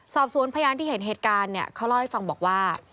สอบสวนพยานที่เห็นเหตุการณ์เนี่ยเขาเล่าให้ฟังบอกว่า